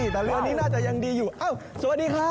แต่เรือนี้น่าจะยังดีอยู่เอ้าสวัสดีครับ